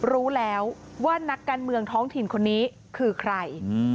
รู้แล้วว่านักการเมืองท้องถิ่นคนนี้คือใคร